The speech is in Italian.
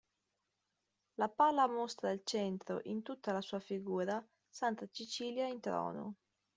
La pala mostra al centro, in tutta la sua figura, "Santa Cecilia in trono".